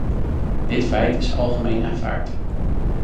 Dit feit is algemeen aanvaard.